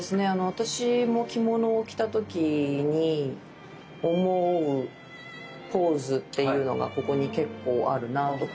私も着物を着た時に思うポーズっていうのがここに結構あるなぁと。